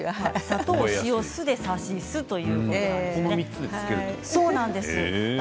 砂糖、塩、酢でさしすということなんです。